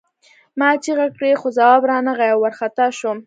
ما چیغې کړې خو ځواب را نغی او وارخطا شوم